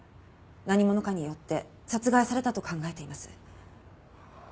何者かによって殺害されたと考えています。